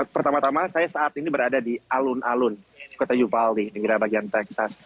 pertama tama saya saat ini berada di alun alun kota jupali negara bagian texas